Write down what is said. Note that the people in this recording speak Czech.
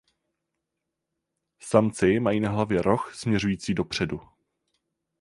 Samci mají na hlavě roh směřující dopředu.